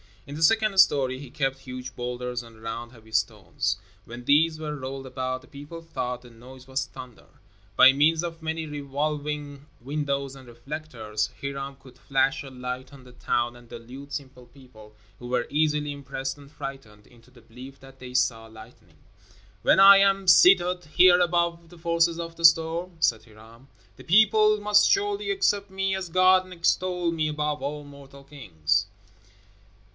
In the second story he kept huge boulders and round heavy stones. When these were rolled about the people thought the noise was thunder. By means of many revolving windows and reflectors, Hiram could flash a light on the town and delude simple people, who were easily impressed and frightened, into the belief that they saw lightning. "When I am seated here above the forces of the storm," said Hiram, "the people must surely accept me as God and extol me above all mortal kings."